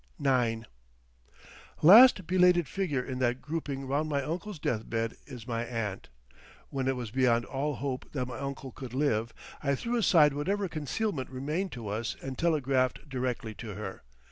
IX Last belated figure in that grouping round my uncle's deathbed is my aunt. When it was beyond all hope that my uncle could live I threw aside whatever concealment remained to us and telegraphed directly to her.